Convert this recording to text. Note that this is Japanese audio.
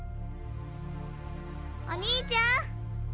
お兄ちゃん。